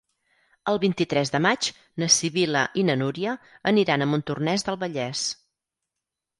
El vint-i-tres de maig na Sibil·la i na Núria aniran a Montornès del Vallès.